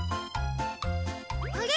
あれ？